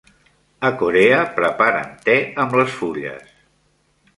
A Corea, preparen te amb les fulles.